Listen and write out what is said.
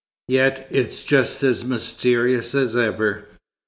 "Yet it's just as mysterious as ever.